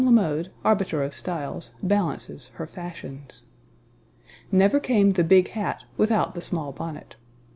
La Mode, arbiter of styles, balances her fashions. Never came the big hat without the small bonnet.